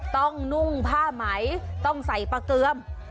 นุ่งผ้าไหมต้องใส่ปลาเกลือม